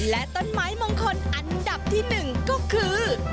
และต้นไม้มงคลอันดับที่๑ก็คือ